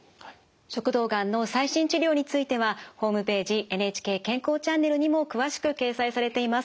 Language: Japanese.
食道がんの最新治療についてはホームページ「ＮＨＫ健康チャンネル」にも詳しく掲載されています。